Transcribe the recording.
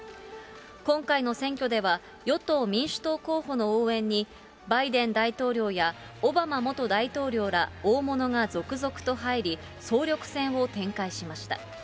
今回の選挙では、与党・民主党候補の応援に、バイデン大統領やオバマ元大統領ら大物が続々と入り、総力戦を展開しました。